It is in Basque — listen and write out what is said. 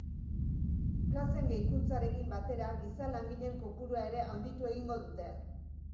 Plazen gehikuntzarekin batera, giza langileen kopurua ere handitu egingo dute.